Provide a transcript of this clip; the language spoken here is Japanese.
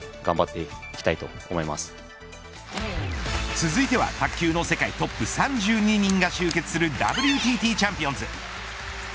続いては卓球の世界トップ３２人が集結するＷＴＴチャンピオンズ。